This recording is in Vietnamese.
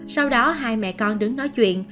sau đó hai mẹ con đứng nói chuyện